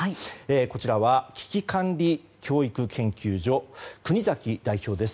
こちらは危機管理教育研究所国崎代表です。